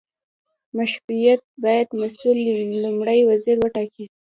مشروطیت باید مسوول لومړی وزیر وټاکي.